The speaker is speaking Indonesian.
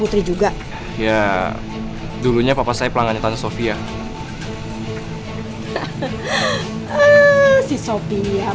terima kasih banyak ya remy ya